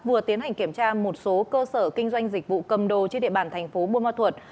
vừa tiến hành kiểm tra một số cơ sở kinh doanh dịch vụ cầm đồ trên địa bàn tp buôn ma thuật